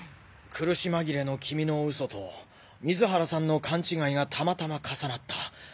苦しまぎれの君のウソと水原さんの勘違いがたまたま重なった。